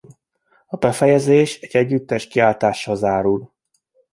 A befejezés egy együttes kiáltással zárul.